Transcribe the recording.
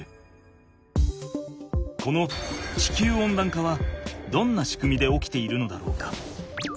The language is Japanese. この地球温暖化はどんなしくみで起きているのだろうか？